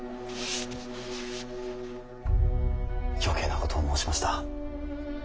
余計なことを申しました。